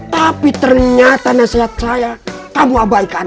tapi ternyata nasihat saya kamu abaikan